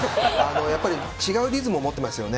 やっぱり違うリズムを持っていますよね。